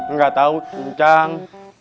nggak tahu ncang